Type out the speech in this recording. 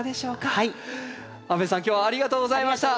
そして皆様ありがとうございました。